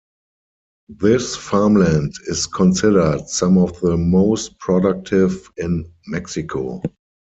This farmland is considered some of the most productive in Mexico.